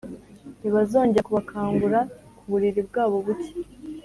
ntibazongera kubakangura ku buriri bwabo buke.